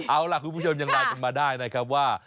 เอาล่ะคุณผู้ชมยังไลน์กันมาได้นะครับว่า